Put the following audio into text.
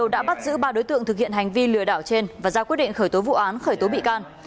đã bắt giữ ba đối tượng thực hiện hành vi lừa đảo trên và ra quyết định khởi tố vụ án khởi tố bị can